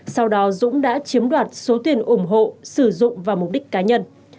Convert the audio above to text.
sau đó dũng đã chiếm đoạt số tiền ủng hộ sử dụng vào mục đích cá nhân